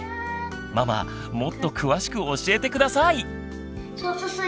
ママもっと詳しく教えて下さい！